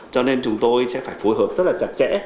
cho nên chúng tôi sẽ phải phối hợp rất là chặt chẽ